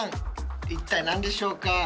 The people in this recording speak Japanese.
一体何でしょうか？